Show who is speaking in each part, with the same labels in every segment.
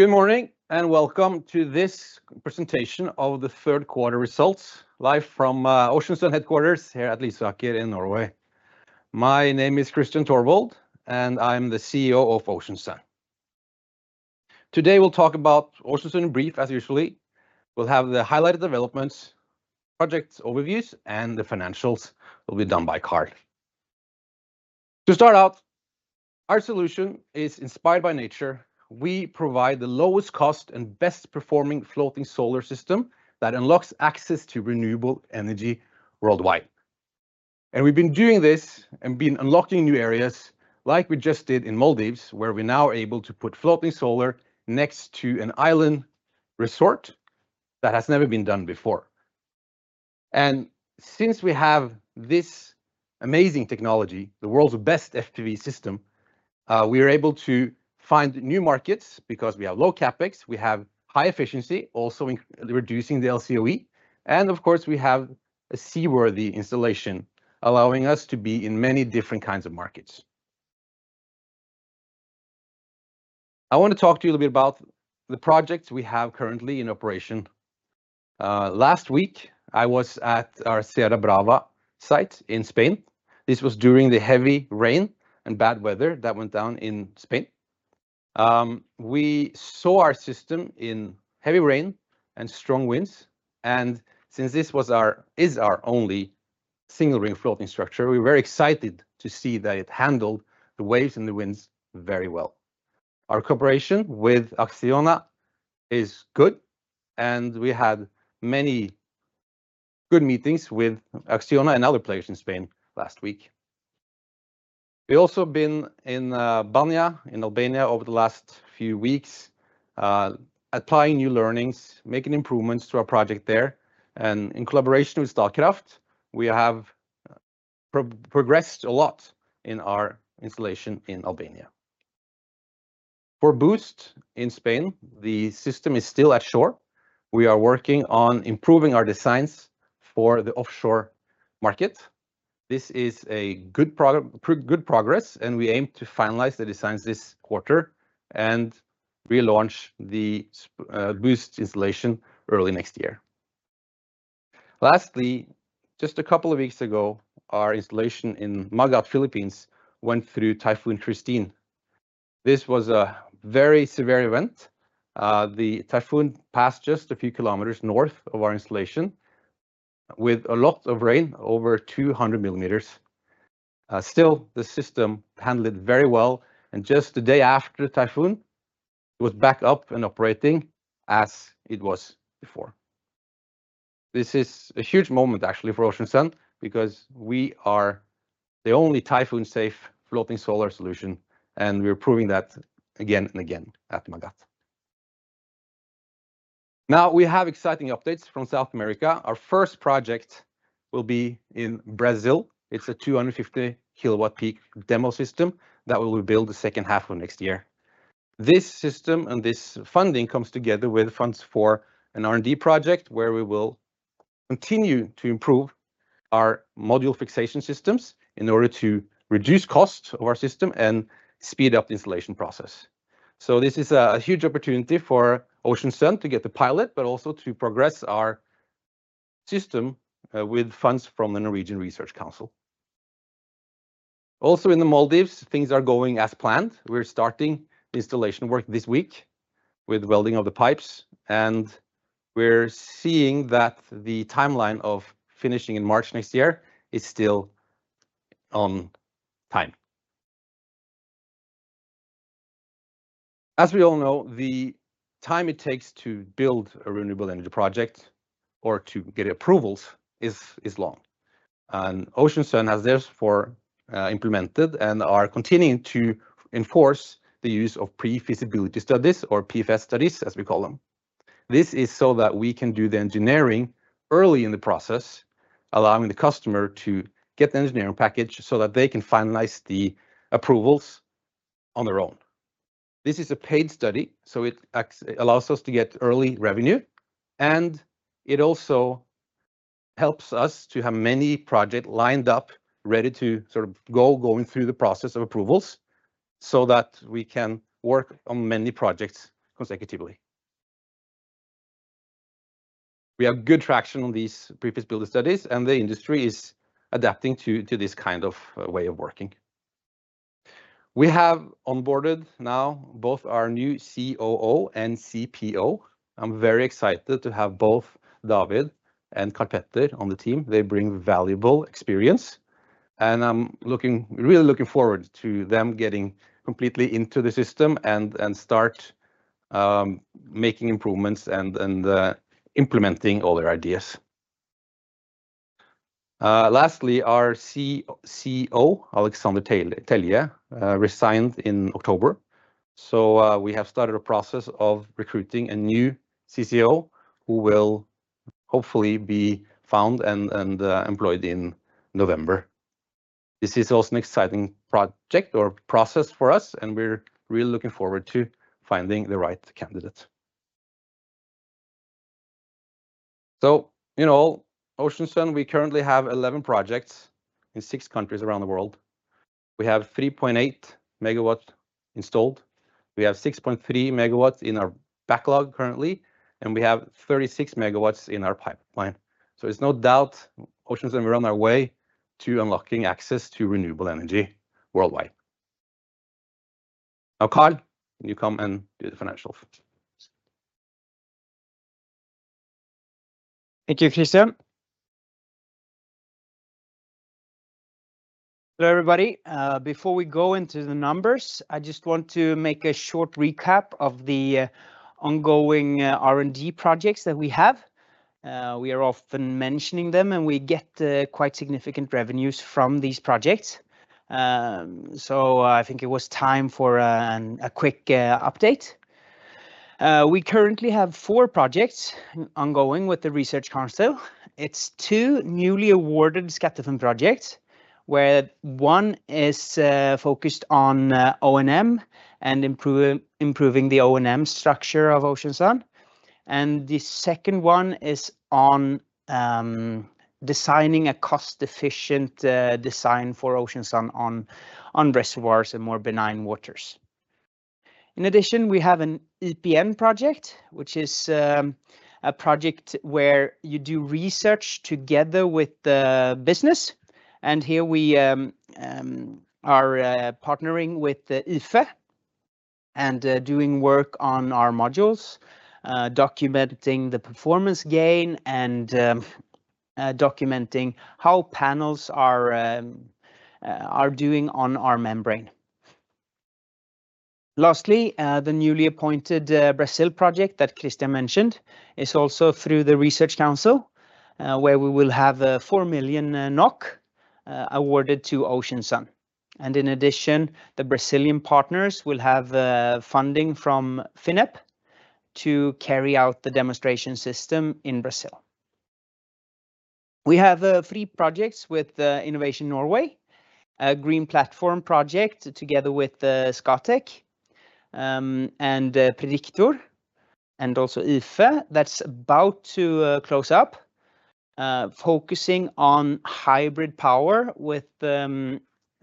Speaker 1: Good morning and welcome to this presentation of the third quarter results, live from Ocean Sun headquarters here at Lysaker in Norway. My name is Kristian Tørvold, and I'm the CEO of Ocean Sun. Today we'll talk about Ocean Sun in brief, as usual. We'll have the highlighted developments, project overviews, and the financials will be done by Karl. To start out, our solution is inspired by nature. We provide the lowest cost and best performing floating solar system that unlocks access to renewable energy worldwide, and we've been doing this and been unlocking new areas, like we just did in Maldives, where we're now able to put floating solar next to an island resort that has never been done before. Since we have this amazing technology, the world's best FPV system, we are able to find new markets because we have low Capex, we have high efficiency, also reducing the LCOE, and of course we have a seaworthy installation allowing us to be in many different kinds of markets. I want to talk to you a little bit about the projects we have currently in operation. Last week I was at our Sierra Brava site in Spain. This was during the heavy rain and bad weather that went down in Spain. We saw our system in heavy rain and strong winds, and since this is our only single ring floating structure, we were very excited to see that it handled the waves and the winds very well. Our cooperation with Acciona is good, and we had many good meetings with Acciona and other players in Spain last week. We've also been in Banja in Albania over the last few weeks, applying new learnings, making improvements to our project there, and in collaboration with Statkraft, we have progressed a lot in our installation in Albania. For BOOST in Spain, the system is still at shore. We are working on improving our designs for the offshore market. This is good progress, and we aim to finalize the designs this quarter and relaunch the BOOST installation early next year. Lastly, just a couple of weeks ago, our installation in Magat, Philippines, went through Typhoon Kristine. This was a very severe event. The typhoon passed just a few kilometers north of our installation with a lot of rain, over 200 millimeters. Still, the system handled it very well, and just the day after the typhoon, it was back up and operating as it was before. This is a huge moment actually for Ocean Sun because we are the only typhoon-safe floating solar solution, and we're proving that again and again at Magat. Now we have exciting updates from South America. Our first project will be in Brazil. It's a 250 kilowatt peak demo system that will be built the second half of next year. This system and this funding comes together with funds for an R&D project where we will continue to improve our module fixation systems in order to reduce costs of our system and speed up the installation process. So this is a huge opportunity for Ocean Sun to get the pilot, but also to progress our system with funds from the Norwegian Research Council. Also in the Maldives, things are going as planned. We're starting installation work this week with welding of the pipes, and we're seeing that the timeline of finishing in March next year is still on time. As we all know, the time it takes to build a renewable energy project or to get approvals is long, and Ocean Sun has therefore implemented and are continuing to enforce the use of pre-feasibility studies or PFS studies, as we call them. This is so that we can do the engineering early in the process, allowing the customer to get the engineering package so that they can finalize the approvals on their own. This is a paid study, so it allows us to get early revenue, and it also helps us to have many projects lined up, ready to sort of go through the process of approvals so that we can work on many projects consecutively. We have good traction on these pre-feasibility studies, and the industry is adapting to this kind of way of working. We have onboarded now both our new COO and CPO. I'm very excited to have both David and Karl-Petter on the team. They bring valuable experience, and I'm really looking forward to them getting completely into the system and start making improvements and implementing all their ideas. Lastly, our CCO, Alexander Telje, resigned in October, so we have started a process of recruiting a new CCO who will hopefully be found and employed in November. This is also an exciting project or process for us, and we're really looking forward to finding the right candidate, so in all, Ocean Sun, we currently have 11 projects in six countries around the world. We have 3.8 megawatts installed. We have 6.3 megawatts in our backlog currently, and we have 36 megawatts in our pipeline. So there's no doubt Ocean Sun is on our way to unlocking access to renewable energy worldwide. Now, Karl, can you come and do the financials?
Speaker 2: Thank you, Kristian. Hello everybody. Before we go into the numbers, I just want to make a short recap of the ongoing R&D projects that we have. We are often mentioning them, and we get quite significant revenues from these projects. So I think it was time for a quick update. We currently have four projects ongoing with the Research Council. It's two newly awarded Skattefunn projects, where one is focused on O&M and improving the O&M structure of Ocean Sun. And the second one is on designing a cost-efficient design for Ocean Sun on reservoirs and more benign waters. In addition, we have an IPN project, which is a project where you do research together with the business. And here we are partnering with IFE and doing work on our modules, documenting the performance gain and documenting how panels are doing on our membrane. Lastly, the newly appointed Brazil project that Kristian mentioned is also through the Research Council, where we will have a 4 million NOK awarded to Ocean Sun, and in addition, the Brazilian partners will have funding from FINEP to carry out the demonstration system in Brazil. We have three projects with Innovation Norway, a Green Platform project together with Scatec and Prediktor, and also IFE that's about to close up, focusing on hybrid power with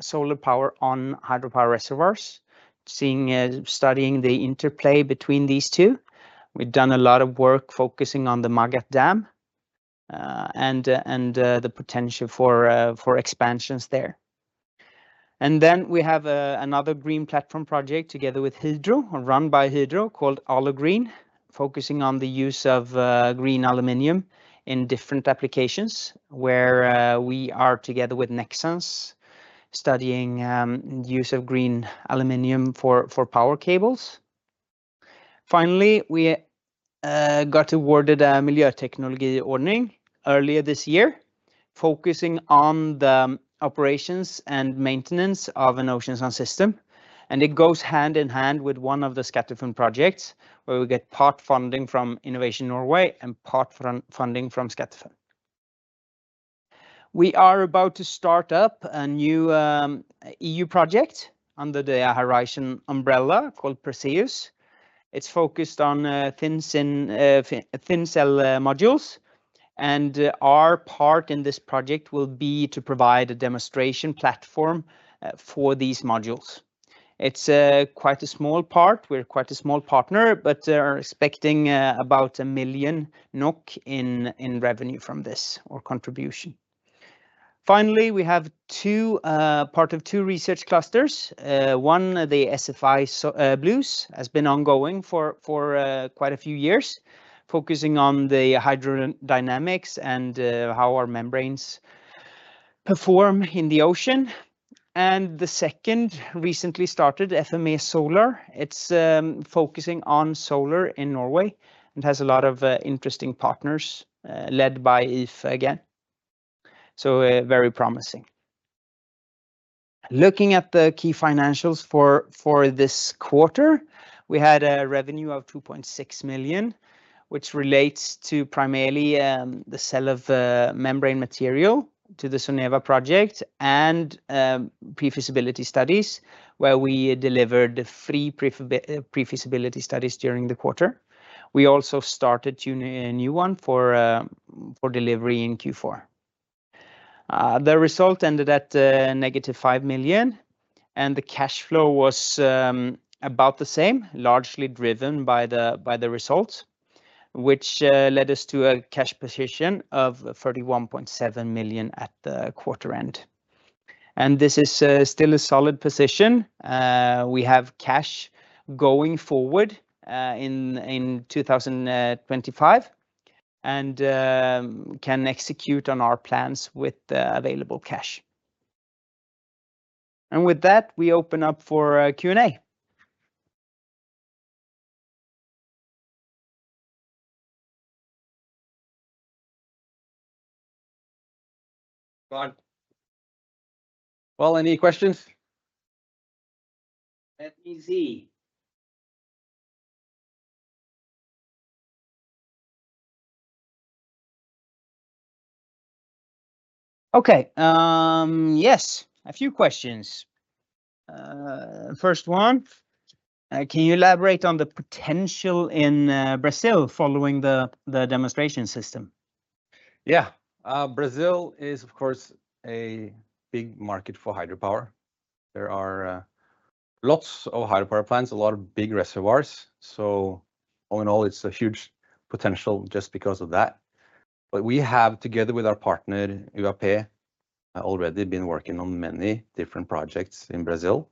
Speaker 2: solar power on hydropower reservoirs, studying the interplay between these two. We've done a lot of work focusing on the Magat dam and the potential for expansions there, and then we have another green platform project together with Hydro, run by Hydro, called AluGreen, focusing on the use of green aluminium in different applications, where we are together with Nexans studying the use of green aluminium for power cables. Finally, we got awarded a Miljøteknologi-ordning earlier this year, focusing on the operations and maintenance of an Ocean Sun system. It goes hand in hand with one of the Skattefunn projects, where we get part funding from Innovation Norway and part funding from Skattefunn. We are about to start up a new EU project under the Horizon umbrella called PERSEUS. It's focused on thin cell modules, and our part in this project will be to provide a demonstration platform for these modules. It's quite a small part. We're quite a small partner, but we're expecting about 1 million NOK in revenue from this or contribution. Finally, we have part of two research clusters. One, the SFI BLUES, has been ongoing for quite a few years, focusing on the hydrodynamics and how our membranes perform in the ocean. The second, recently started, FME Solar. It's focusing on solar in Norway and has a lot of interesting partners led by IFE again, so very promising. Looking at the key financials for this quarter, we had a revenue of 2.6 million, which relates to primarily the sale of membrane material to the Soneva project and pre-feasibility studies, where we delivered three pre-feasibility studies during the quarter. We also started a new one for delivery in Q4. The result ended at negative 5 million, and the cash flow was about the same, largely driven by the results, which led us to a cash position of 31.7 million at the quarter end, and this is still a solid position. We have cash going forward in 2025 and can execute on our plans with available cash, and with that, we open up for Q&A.
Speaker 1: Well. Well, any questions?
Speaker 2: Let me see. Okay. Yes, a few questions. First one, can you elaborate on the potential in Brazil following the demonstration system?
Speaker 1: Yeah. Brazil is, of course, a big market for hydropower. There are lots of hydropower plants, a lot of big reservoirs. So all in all, it's a huge potential just because of that. But we have, together with our partner, Uapê, already been working on many different projects in Brazil.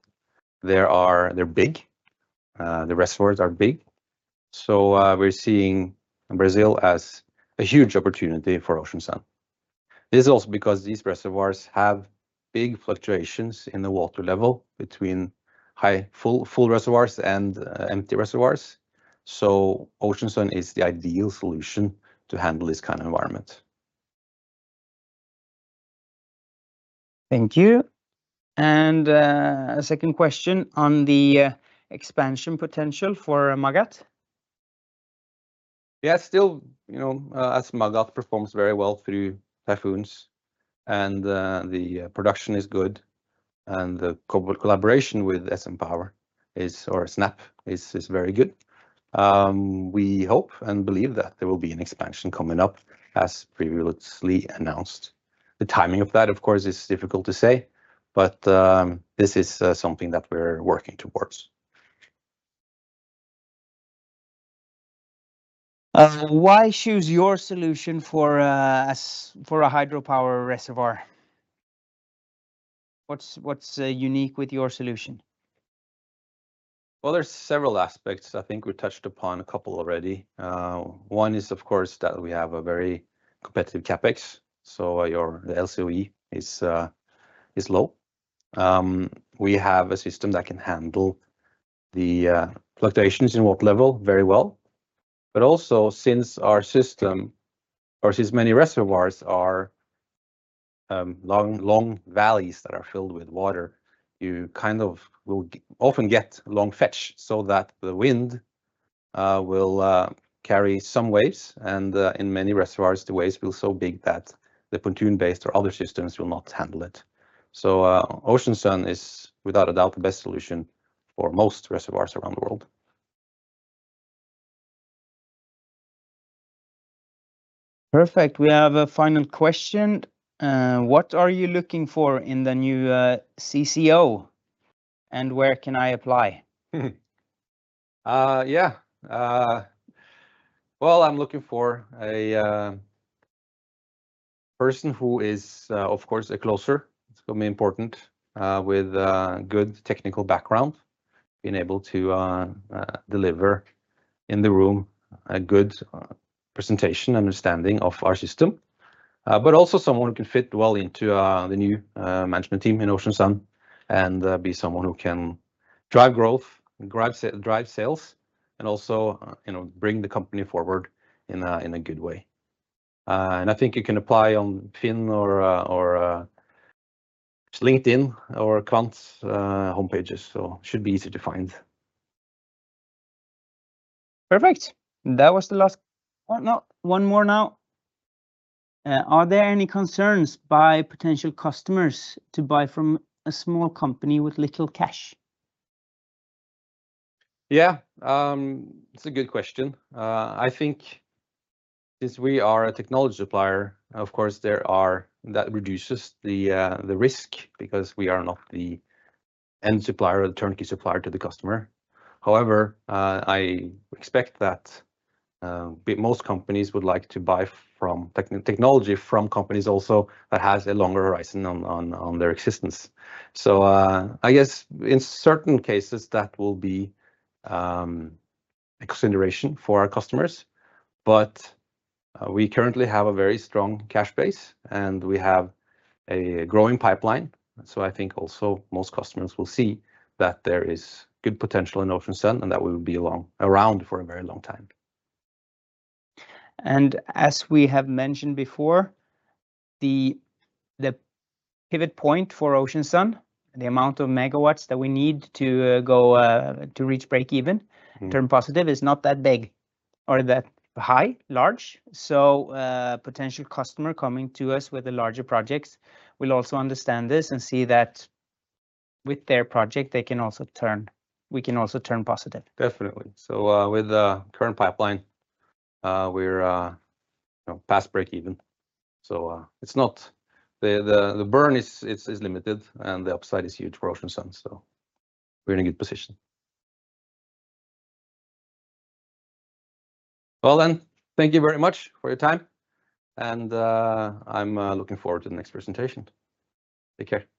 Speaker 1: They're big. The reservoirs are big. So we're seeing Brazil as a huge opportunity for Ocean Sun. This is also because these reservoirs have big fluctuations in the water level between full reservoirs and empty reservoirs. So Ocean Sun is the ideal solution to handle this kind of environment.
Speaker 2: Thank you. And a second question on the expansion potential for Magat.
Speaker 1: Yeah, still, as Magat performs very well through typhoons and the production is good, and the collaboration with SN Power or SNAP is very good, we hope and believe that there will be an expansion coming up, as previously announced. The timing of that, of course, is difficult to say, but this is something that we're working towards.
Speaker 2: Why choose your solution for a hydropower reservoir? What's unique with your solution?
Speaker 1: There's several aspects. I think we touched upon a couple already. One is, of course, that we have a very competitive Capex. So the LCOE is low. We have a system that can handle the fluctuations in water level very well. But also, since our system, or since many reservoirs are long valleys that are filled with water, you kind of will often get long fetch so that the wind will carry some waves. And in many reservoirs, the waves will be so big that the pontoon-based or other systems will not handle it. So Ocean Sun is, without a doubt, the best solution for most reservoirs around the world.
Speaker 2: Perfect. We have a final question. What are you looking for in the new CCO, and where can I apply?
Speaker 1: Yeah. Well, I'm looking for a person who is, of course, a closer. It's going to be important with a good technical background, being able to deliver in the room a good presentation and understanding of our system, but also someone who can fit well into the new management team in Ocean Sun and be someone who can drive growth, drive sales, and also bring the company forward in a good way. And I think you can apply on FINN or LinkedIn or Kvant's homepages, so it should be easy to find.
Speaker 2: Perfect. That was the last one. One more now. Are there any concerns by potential customers to buy from a small company with little cash?
Speaker 1: Yeah, it's a good question. I think since we are a technology supplier, of course, that reduces the risk because we are not the end supplier or the turnkey supplier to the customer. However, I expect that most companies would like to buy from technology from companies also that have a longer horizon on their existence. So I guess in certain cases, that will be a consideration for our customers. But we currently have a very strong cash base, and we have a growing pipeline. So I think also most customers will see that there is good potential in Ocean Sun and that we will be around for a very long time.
Speaker 2: And as we have mentioned before, the pivot point for Ocean Sun, the amount of megawatts that we need to go to reach break-even, turn positive, is not that big or that high, large. So potential customers coming to us with the larger projects will also understand this and see that with their project, they can also turn, we can also turn positive.
Speaker 1: Definitely. So with the current pipeline, we're past break-even. So it's not the burn is limited, and the upside is huge for Ocean Sun. So we're in a good position. Well, then, thank you very much for your time. And I'm looking forward to the next presentation. Take care.